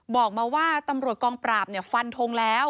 บอกมาว่าตำรวจกองปราบฟันทงแล้ว